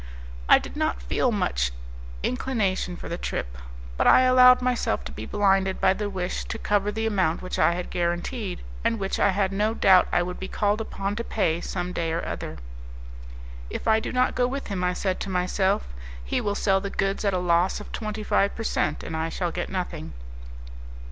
I did not feel much inclination for the trip, but I allowed myself to be blinded by the wish to cover the amount which I had guaranteed, and which I had no doubt I would be called upon to pay some day or other. "If I do not go with him," I said to myself "he will sell the goods at a loss of twenty five per cent., and I shall get nothing."